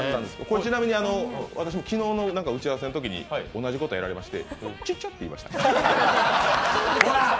ちなみに、私も昨日の打ち合わせのときに同じことをやられましてちっちゃって言いました。